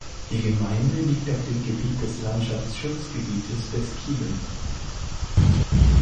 Die Gemeinde liegt auf dem Gebiet des Landschaftsschutzgebietes Beskiden.